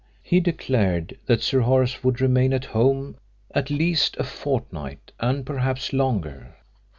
He declared that Sir Horace would remain at home at least a fortnight, and perhaps longer.